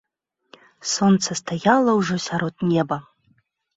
Сонца стаяла ўжо сярод неба.